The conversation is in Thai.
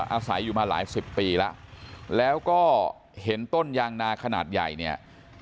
อาศัยอยู่มาหลายสิบปีแล้วแล้วก็เห็นต้นยางนาขนาดใหญ่เนี่ย